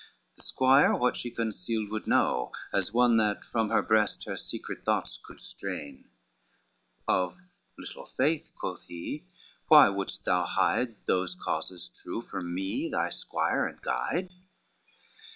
The squire what she concealed would know, as one That from her breast her secret thoughts could strain, "Of little faith," quoth he, "why would'st thou hide Those causes true, from me thy squire and guide?"